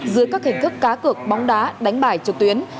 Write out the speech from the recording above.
dưới các hình thức cá cực bóng đá đánh bải trực tuyến